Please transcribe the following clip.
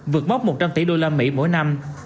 vượt mốc một trăm linh tỷ đô la mỹ mỗi năm